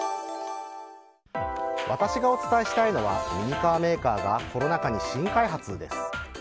私がお伝えしたいのはミニカーメーカーがコロナ禍に新開発です。